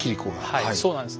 はいそうなんです。